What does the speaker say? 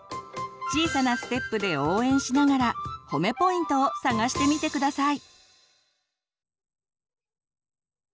小さなステップで応援しながら褒めポイントを探してみて下さい。